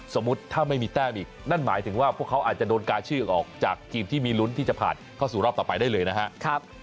สมมุติถ้าไม่มีแต้มอีกนั่นหมายถึงว่าพวกเขาอาจจะโดนกาชื่อออกจากทีมที่มีลุ้นที่จะผ่านเข้าสู่รอบต่อไปได้เลยนะครับ